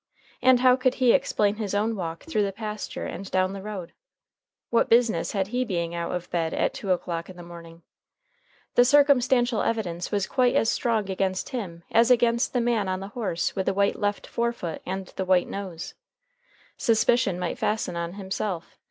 And how could he explain his own walk through the pasture and down the road? What business had he being out of bed at two o'clock in the morning? The circumstantial evidence was quite as strong against him as against the man on the horse with the white left forefoot and the white nose. Suspicion might fasten on himself.